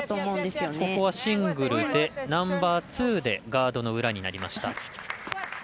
シングルでナンバーツーでガードの裏になりました。